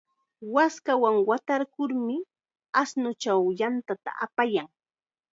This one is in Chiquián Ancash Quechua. Waskawan watarkurmi ashnuchaw yantata apayan.